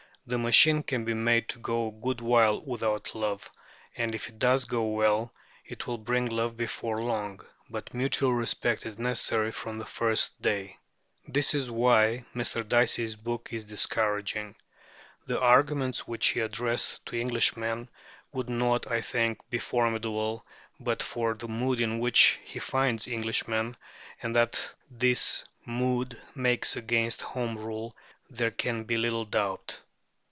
The machine can be made to go a good while without love, and if it goes well it will bring love before long; but mutual respect is necessary from the first day. This is why Mr. Dicey's book is discouraging. The arguments which he addressed to Englishmen would not, I think, be formidable but for the mood in which he finds Englishmen, and that this mood makes against Home Rule there can be little doubt.